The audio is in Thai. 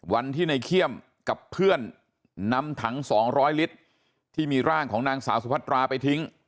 วันที่ในเขี้ยมกับเพื่อนนำถัง๒๐๐ลิตรที่มีร่างของนางสาวสุพัตราไปทิ้ง